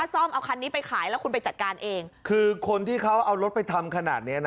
ซ่อมเอาคันนี้ไปขายแล้วคุณไปจัดการเองคือคนที่เขาเอารถไปทำขนาดเนี้ยนะ